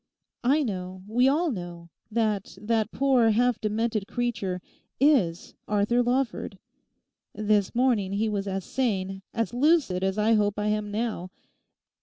I know—we all know, that that poor half demented creature is Arthur Lawford. This morning he was as sane, as lucid as I hope I am now.